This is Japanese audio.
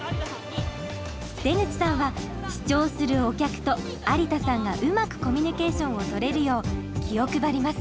出口さんは視聴するお客と有田さんがうまくコミュニケーションをとれるよう気を配ります。